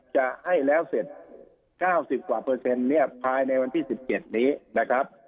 จะให้แล้วเสร็จ๙๐กว่าเปอร์เซ็นต์เนี่ยภายในวันที่๑๗นี้นะครับ